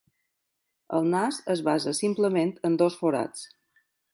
El nas es basa simplement en dos forats.